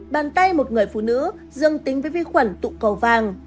bàn tay một người phụ nữ dương tính với vi khuẩn tụ cầu vàng